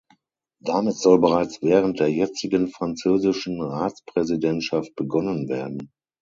Damit soll bereits während der jetzigen französischen Ratspräsidentschaft begonnen werden.